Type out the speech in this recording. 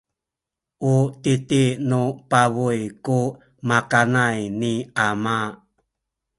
u titi nu pabuy ku makanay ni ama.